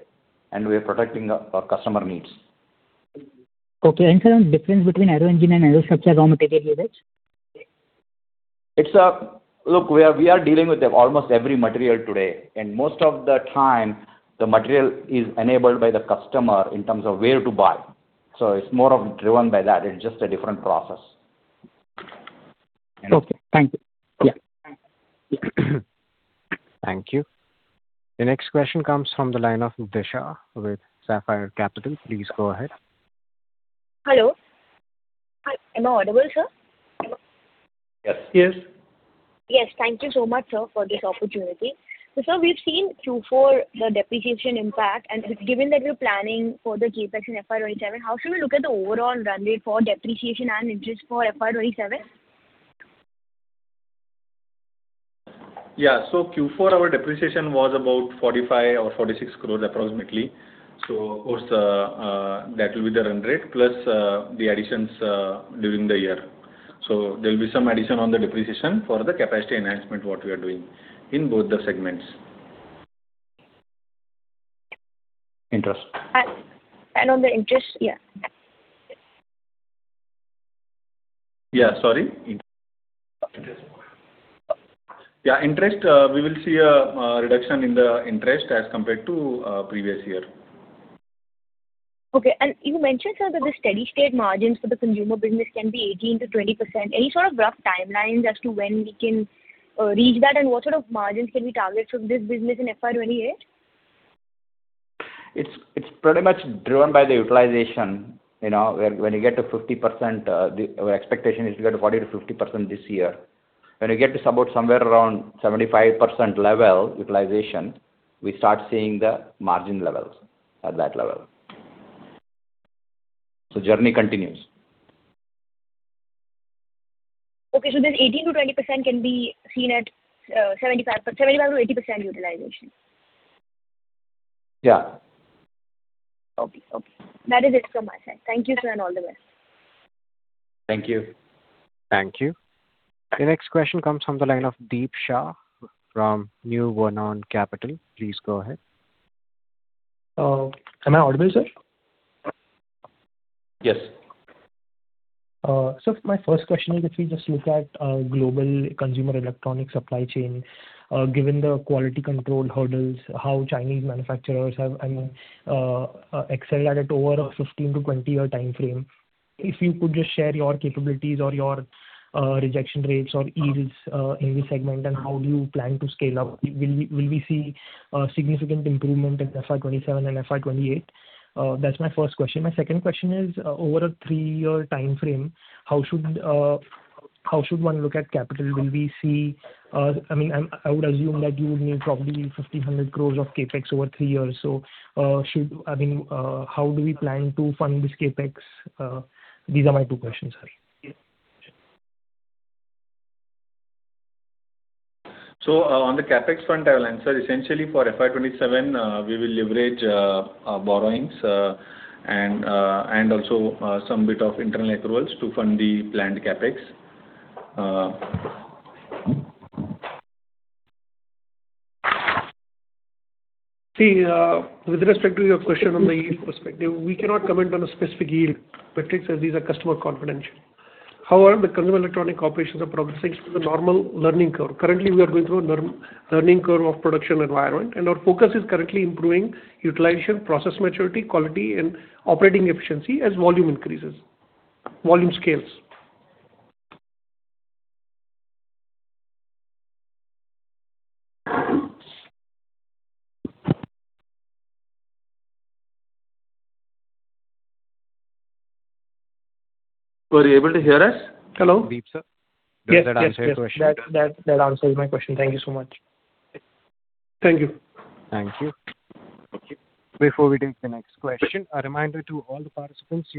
and we're protecting our customer needs. Okay. Sir, difference between aero engine and aero structure raw material? We are dealing with almost every material today, and most of the time, the material is enabled by the customer in terms of where to buy. It's more of driven by that. It's just a different process. Okay. Thank you. Thank you. The next question comes from the line of [Mudisha] with Sapphire Capital, please go ahead. Hello? Am I audible, sir? Yes. Yes. Thank you so much, sir, for this opportunity. Sir, we've seen in Q4 the depreciation impact, and given that you're planning for the CapEx in FY 2027, how should we look at the overall run rate for depreciation and interest for FY 2027? Yeah. Q4, our depreciation was about 45 crore or 46 crore approximately. Of course, that will be the run rate plus the additions during the year. There will be some addition on the depreciation for the capacity enhancement what we are doing in both the segments. Interest. On the interest? Yeah. Yeah, sorry. Interest, we will see a reduction in the interest as compared to previous year. Okay. You mentioned, sir, that the steady state margins for the consumer business can be 18%-20%. Any sort of rough timeline as to when we can reach that and what sort of margins can we target from this business in FY 2028? It is pretty much driven by the utilization. Our expectation is to get about 50% this year. When you get to about somewhere around 75% level utilization, we start seeing the margin levels at that level. Journey continues. Okay. 18%-20% can be seen at 75% or 80% utilization. Yeah. Okay. That is it from my side. Thank you, sir, and all the best. Thank you. Thank you. The next question comes from the line of Deep Shah from New Vernon Capital, please go ahead. Am I audible, sir? Yes. Sir, my first question is if we just look at global consumer electronic supply chain, given the quality control hurdles, how Chinese manufacturers have excelled at it over a 15 year -20 year timeframe. If you could just share your capabilities or your rejection rates or yields in this segment and how you plan to scale up. Will we see a significant improvement in FY 2027 and FY 2028? That's my first question. My second question is, over a three-year timeframe, how should one look at capital? I would assume that you would need probably 1,500 crores of CapEx over three years. How do we plan to fund this CapEx? These are my two questions, sir On the CapEx front, essentially for FY 2027, we will leverage our borrowings, and also some bit of internal accruals to fund the planned CapEx. With respect to your question on the yield perspective, we cannot comment on a specific yield, particularly these are customer confidential. However, the consumer electronic operations are progressing through the normal learning curve. Currently, we are going through a learning curve of production environment, and our focus is currently improving utilization, process maturity, quality, and operating efficiency as volume scales. Were you able to hear us? Hello? Deep sir, does that answer your question? Yes. That answers my question. Thank you so much. Thank you. Thank you. Before we take the next question, a reminder to all participants. *inaudible*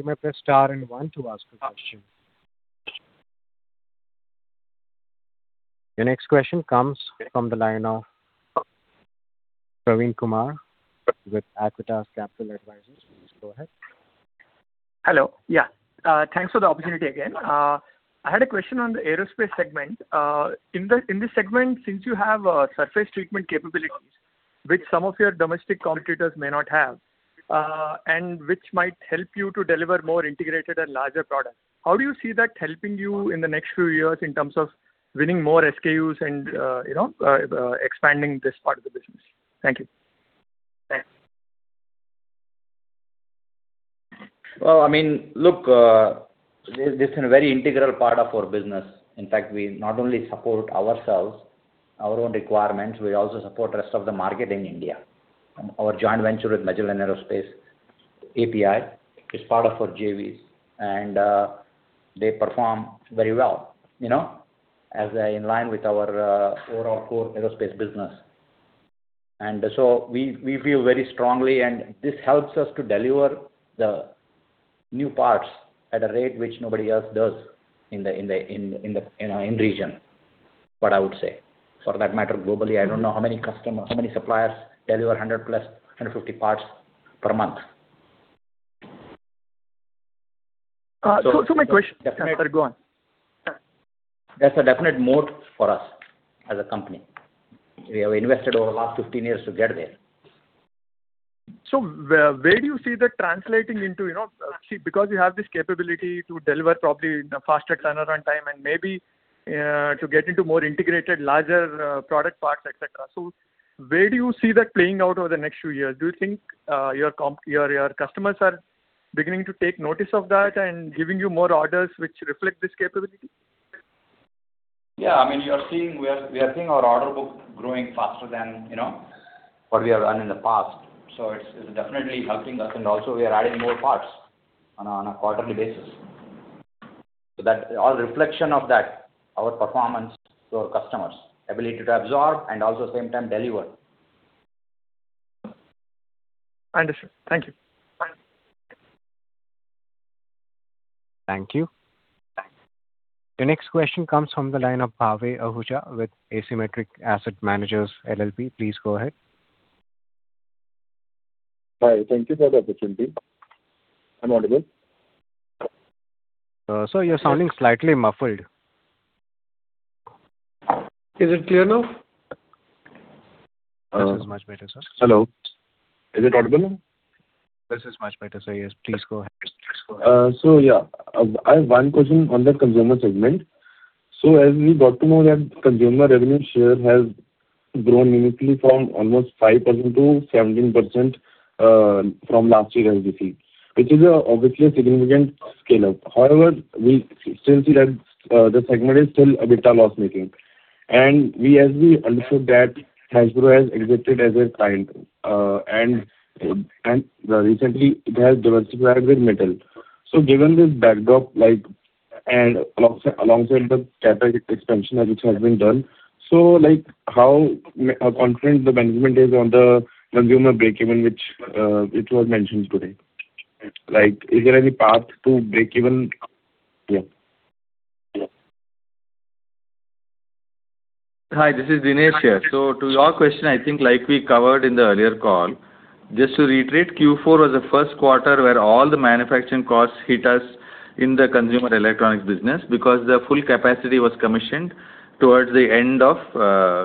The next question comes from the line of Praveen Kumar with Aequitas Capital Advisors, please go ahead. Hello. Yeah. Thanks for the opportunity again. I had a question on the aerospace segment. In this segment, since you have surface treatment capabilities which some of your domestic competitors may not have, and which might help you to deliver more integrated and larger products. How do you see that helping you in the next few years in terms of winning more SKUs and expanding this part of the business? Thank you. Well, look, this is a very integral part of our business. In fact, we not only support ourselves, our own requirements, we also support rest of the market in India. Our joint venture with Magellan Aerospace, API, is part of our JVs. They perform very well as they align with our overall core aerospace business. We feel very strongly, and this helps us to deliver the new parts at a rate which nobody else does in the region, what I would say. For that matter, globally, I don't know how many customers, how many suppliers deliver 100+, 150 parts per month. Two more questions, and you can go on. That's a definite moat for us as a company. We have invested over the last 15 years to get there. Where do you see that translating into? Because you have this capability to deliver probably in a faster turnaround time and maybe to get into more integrated, larger product parts, et cetera. Where do you see that playing out over the next few years? Do you think your customers are beginning to take notice of that and giving you more orders which reflect this capability? Yeah. We are seeing our order book growing faster than what we have done in the past. It's definitely helping us, and also we are adding more parts on a quarterly basis. That reflection of that, our performance to our customers, ability to absorb and also same time deliver. Understood. Thank you Thank you. The next question comes from the line of Bhavey Ahuja with Asymmetric Asset Managers LLP, please go ahead. Hi. Thank you for the opportunity. Am I audible? Sir, you're sounding slightly muffled. Is it clear now? This is much better, sir. Hello. Is it audible now? This is much better, sir. Yes, please go ahead. Yeah, I have one question on the Consumer Segment. As we got to know that consumer revenue share has grown uniquely from almost 5% to 17% from last year's FY, which is obviously a significant scale-up. However, we still see that the segment is still a bit loss-making. We actually understood that Hasbro has exited as a client, and recently it has diversified with Mattel. Given this backdrop, and alongside the capacity expansion which has been done, how confident the management is on the consumer breakeven which was mentioned today? Is there any path to breakeven? Hi, this is Dinesh here. To your question, I think like we covered in the earlier call, just to reiterate, Q4 was the first quarter where all the manufacturing costs hit us in the consumer electronics business because the full capacity was commissioned towards the end of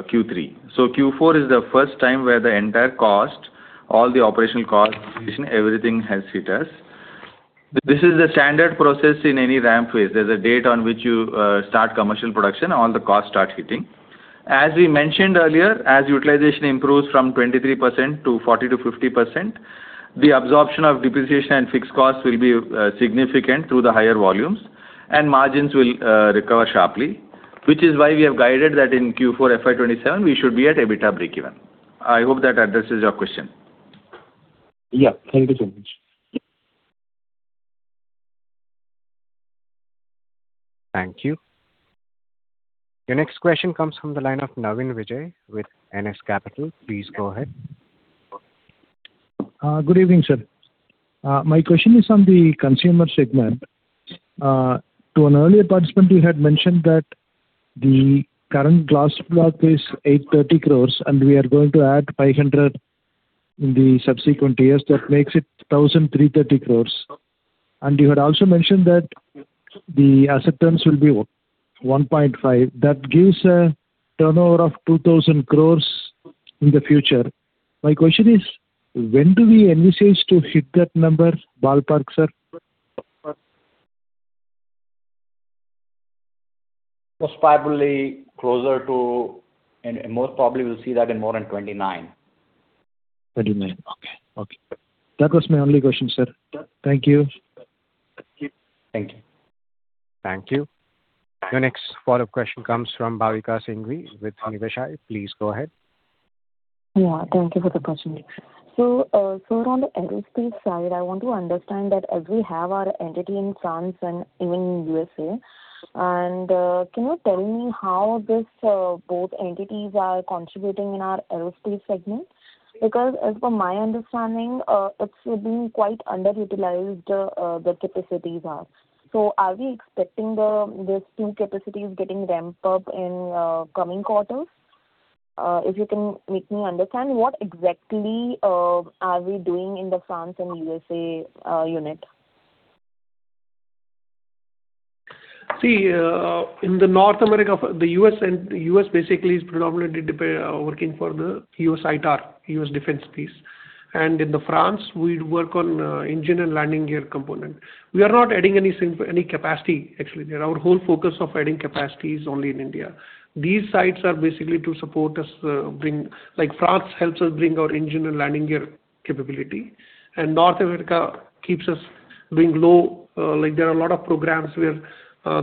Q3. Q4 is the first time where the entire cost, all the operational costs, depreciation, everything has hit us. This is a standard process in any ramp phase. There's a date on which you start commercial production, and all the costs start hitting. As we mentioned earlier, as utilization improves from 23% to 40%-50%, the absorption of depreciation and fixed costs will be significant to the higher volumes and margins will recover sharply, which is why we have guided that in Q4 FY 2027, we should be at EBITDA breakeven. I hope that addresses your question. Yeah. Thank you so much. Thank you. The next question comes from the line of Naveen Vijay with NS Capital, please go ahead. Good evening, sir. My question is on the Consumer Segment. To an earlier participant, you had mentioned that the current gross block is 830 crores, and we are going to add 500 in the subsequent years. That makes it 1,330 crores. You had also mentioned that the fixed asset turnover will be 1.5. That gives a turnover of 2,000 crores in the future. My question is, when do we envisage to hit that number, ballpark, sir? Most probably, we'll see that in more than 29. Okay. That was my only question, sir. Thank you. Thank you. The next follow-up question comes from Bhavika Singhvi with Niveshaay, please go ahead. Yeah, thank you for the opportunity. Sir, on the aerospace side, I want to understand that as we have our entity in France and in U.S.A., can you tell me how both entities are contributing in our aerospace segment? Because as per my understanding, it is still being quite underutilized, the capacities are. Are we expecting these two capacities getting ramped up in coming quarters? If you can make me understand what exactly are we doing in the France and U.S.A. unit? See, in the North America, the U.S. basically is predominantly working for the U.S. ITAR, U.S. defense piece. In France, we work on engine and landing gear component. We are not adding any capacity, actually. Our whole focus of adding capacity is only in India. These sites are basically to support us. France helps us bring our engine and landing gear capability, and North America keeps us being low. There are a lot of programs where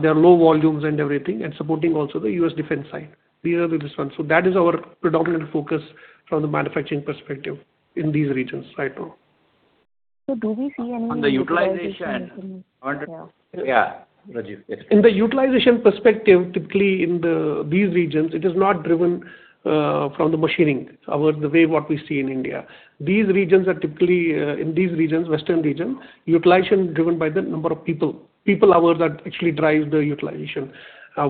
there are low volumes and everything, and supporting also the U.S. defense side. These are the reasons. That is our predominant focus from the manufacturing perspective in these regions right now. Do we see any- On the utilization. Yeah. In the utilization perspective, typically in these regions, it is not driven from the machining, the way what we see in India. In these regions, western region, utilization is driven by the number of people. People hours actually drive the utilization.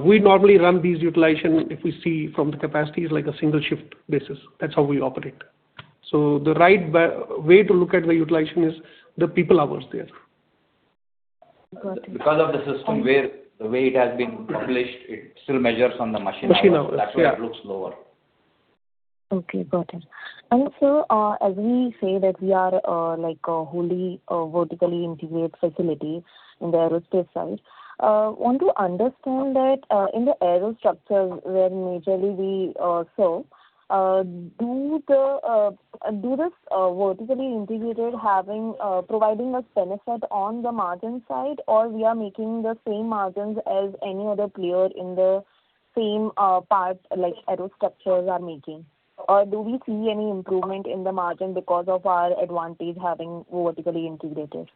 We normally run this utilization, if we see from the capacity, like a single shift basis. That's how we operate. The right way to look at the utilization is the people hours there. Because of the system, the way it has been utilized, it still measures on the machining- Okay. Actually it looks lower. Okay, got it. Sir, as we say that we are a wholly vertically integrated facility in the aerospace side, I want to understand that in the aero structures where majorly we serve, do this vertically integrated providing us benefit on the margin side, or we are making the same margins as any other player in the same parts, like aero structures are making? Do we see any improvement in the margin because of our advantage having vertically integrated?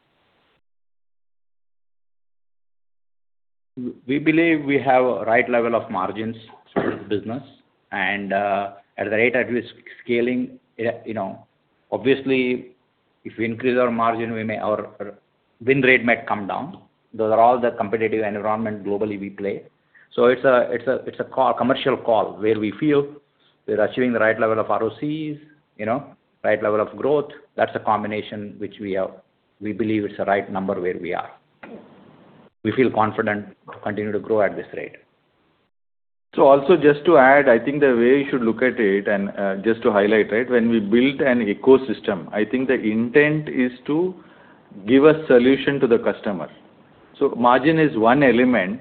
We believe we have a right level of margins for the business and a rate at which scaling. Obviously, if we increase our margin, our win rate might come down. Those are all the competitive environment globally we play. It's a commercial call where we feel we're achieving the right level of ROC, right level of growth. That's a combination which we believe is the right number where we are. We feel confident to continue to grow at this rate. Also just to add, I think the way you should look at it, and just to highlight, when we built an ecosystem, I think the intent is to give a solution to the customer. Margin is one element,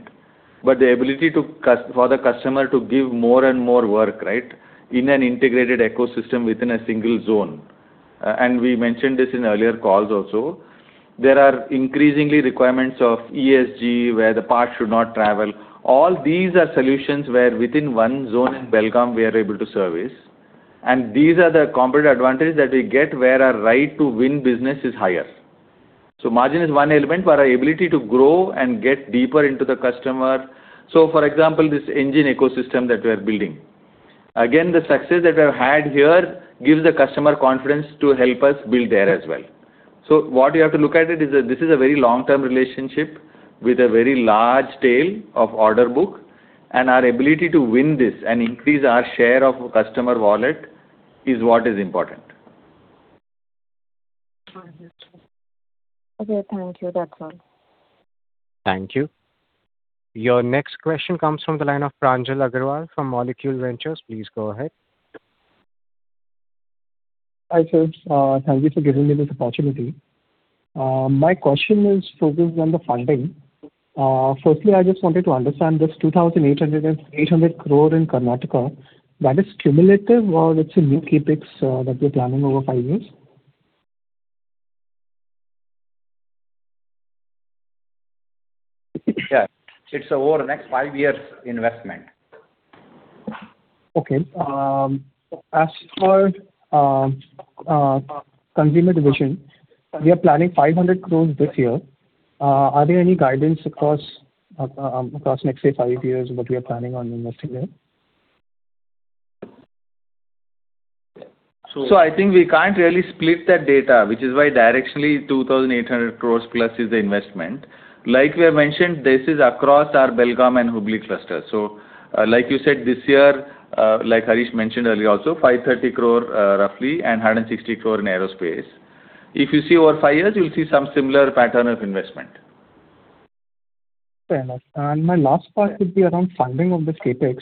but the ability for the customer to give more and more work in an integrated ecosystem within a single zone. We mentioned this in earlier calls also. There are increasingly requirements of ESG, where the part should not travel. All these are solutions where within one zone in Belagavi, we are able to service. These are the competitive advantage that we get where our right to win business is higher. Margin is one element, but our ability to grow and get deeper into the customer. For example, this engine ecosystem that we're building. Again, the success that we've had here gives the customer confidence to help us build there as well. What you have to look at it is that this is a very long-term relationship with a very large tail of order book, and our ability to win this and increase our share of customer wallet is what is important. Okay, thank you. That's all. Thank you. Your next question comes from the line of Pranjal Agrawal from Molecule Ventures, please go ahead. Hi, sir. Thank you for giving me this opportunity. My question is focused on the funding. Firstly, I just wanted to understand this 2,800 crore and 300 crore in Karnataka, that is cumulative or it's a new CapEx that we're planning over five years? Yeah. It's over the next five years investment. Okay. As for consumer division, we are planning 500 crores this year. Are there any guidance across next say, five years, what we are planning on investing in? I think we can't really split that data, which is why directly 2,800 crore plus is the investment. We have mentioned, this is across our Belagavi and Hubli cluster. You said this year, Harish mentioned earlier also, 530 crore roughly and 160 crore in aerospace. If you see over five years, you'll see some similar pattern of investment. Fair enough. My last part would be around funding of this CapEx.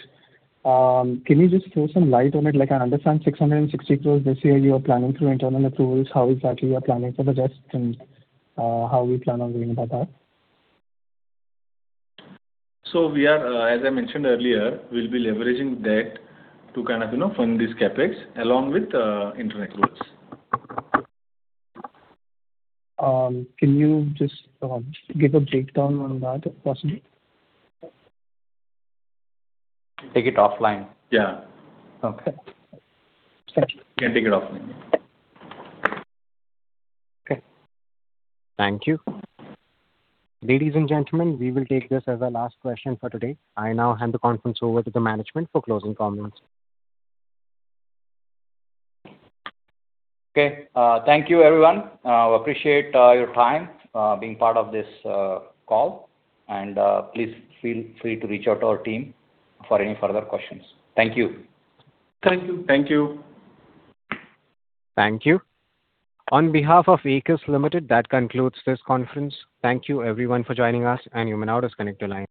Can you just throw some light on it? Like I understand 660 crores this year you're planning to enter on the tools, how exactly you're planning for the debt and how you plan on going about that. We are, as I mentioned earlier, we'll be leveraging debt to fund this CapEx along with internal equity. Can you just give a breakdown on that, if possible? Take it offline. Yeah. Okay. Sure. Can take it offline, yeah. Okay. Thank you. Ladies and gentlemen, we will take this as the last question for today. I now hand the conference over to the management for closing comments. Okay. Thank you, everyone. Appreciate your time being part of this call, and please feel free to reach out to our team for any further questions. Thank you. Thank you. Thank you. Thank you. On behalf of Aequs Limited, that concludes this conference. Thank you everyone for joining us, and you may now disconnect your lines.